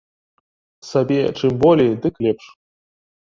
Сабе чым болей, дык лепш.